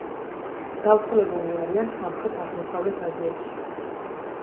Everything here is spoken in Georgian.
გავრცელებულნი არიან სამხრეთ-აღმოსავლეთ აზიაში.